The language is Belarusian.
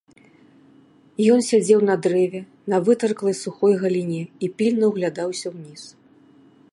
Ён сядзеў на дрэве, на вытырклай сухой галіне і пільна ўглядаўся ўніз.